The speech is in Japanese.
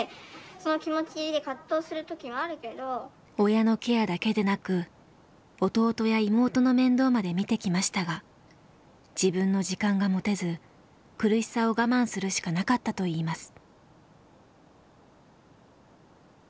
親のケアだけでなく弟や妹の面倒まで見てきましたが自分の時間が持てず苦しさを我慢するしかなかったといいます。